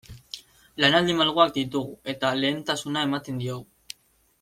Lanaldi malguak ditugu eta lehentasuna ematen diogu.